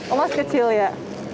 emas kecil ya